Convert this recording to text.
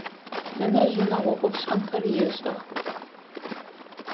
Нэнэжъ унэгъо ӏофшӏэнхэр ешӏэх.